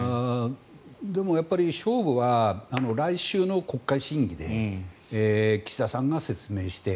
でも勝負は来週の国会審議で岸田さんが説明して